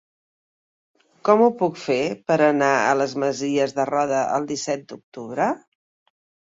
Com ho puc fer per anar a les Masies de Roda el disset d'octubre?